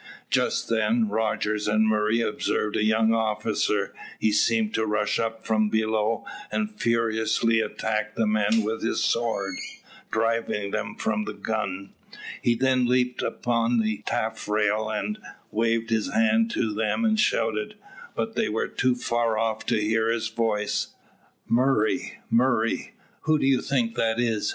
Just then, Rogers and Murray observed a young officer; he seemed to rush up from below, and furiously attack the men with his sword, driving them from the gun. He then leaped upon the taffrail and waved his hand to them and shouted, but they were too far off to hear his voice. "Murray, Murray, who do you think that is?"